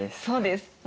そうです。